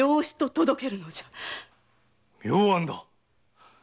妙案だ！